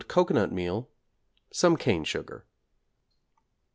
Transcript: cocoanut meal, some cane sugar.